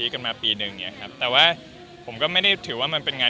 คือเราทำงาน